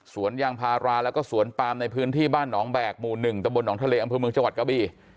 ยางพาราแล้วก็สวนปามในพื้นที่บ้านหนองแบกหมู่๑ตะบลหนองทะเลอำเภอเมืองจังหวัดกะบี